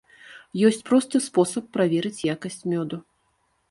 Ёсць просты спосаб праверыць якасць мёду.